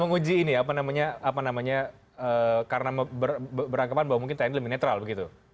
menguji ini ya apa namanya karena berangkapan bahwa mungkin tkn lebih netral begitu